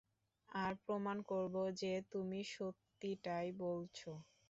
আর প্রমাণ করবো যে, তুমি সত্যিটাই বলছো।